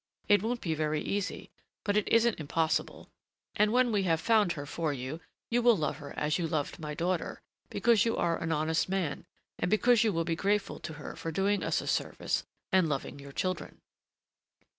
It won't be very easy; but it isn't impossible; and when we have found her for you, you will love her as you loved my daughter, because you are an honest man and because you will be grateful to her for doing us a service and loving your children."